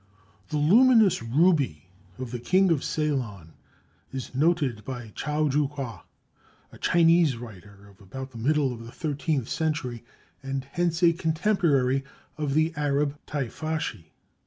The luminous "ruby" of the King of Ceylon is noted by Chau Ju Kua, a Chinese writer of about the middle of the thirteenth century and hence a contemporary of the Arab Teifashi.